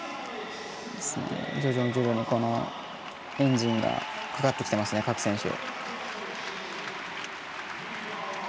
徐々にエンジンがかかってきていますね、各選手。